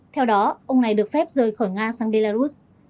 theo đó ông này được phép rời khỏi nga sang belarus